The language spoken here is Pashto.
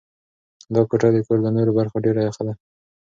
دا کوټه د کور له نورو برخو ډېره یخه ده.